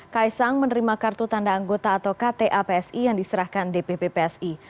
kaisang menerima kartu tanda anggota atau kta psi yang diserahkan dpp psi